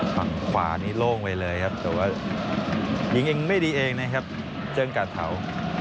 ฝั่งขวานี้โล่งไปเลยครับเจิ่งการเท้ายิงเองไม่ดีเองนะครับ